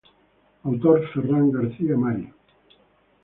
Autor: Ferran García-Marí.